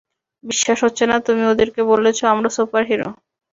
বিশ্বাস হচ্ছে না, তুমি ওদেরকে বলেছ আমরা সুপারহিরো।